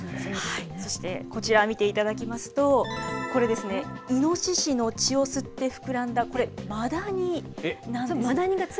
そして、こちら見ていただきますと、これですね、イノシシの血を吸って膨らんだこれ、マダニなんです。